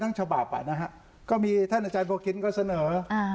ฉบับอ่ะนะฮะก็มีท่านอาจารย์โบคินก็เสนออ่า